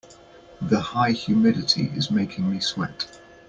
The high humidity is making me sweat.